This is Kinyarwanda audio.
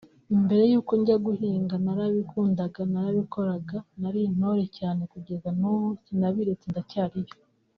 Mbere y'uko njya kuhiga narabikundaga narabikoraga nari intore cyane kugeza n'ubu sinabiretse ndacyariyo